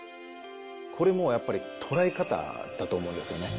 これもやっぱり、捉え方だと思うんですよね。